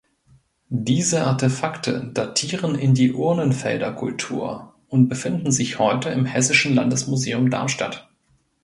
Diese Artefakte datieren in die Urnenfelderkultur und befinden sich heute im Hessischen Landesmuseum Darmstadt.